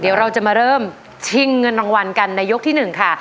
เดี๋ยวเราจะมาเริ่มชิงเงินรางวัลกันในยกที่๑ค่ะ